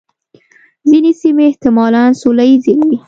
ځینې سیمې احتمالاً سوله ییزې وې.